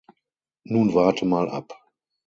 Nun warte mal ab!